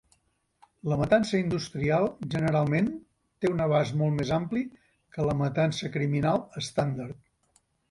La matança industrial generalment té un abast molt més ampli que la matança criminal estàndard.